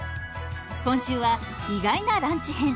今週は意外なランチ編。